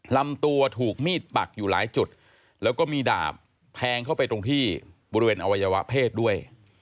ลำตัวถูกมีดปักอยู่หลายจุดแล้วก็มีดาบแทงเข้าไปตรงที่บริเวณอวัยวะเพศด้วย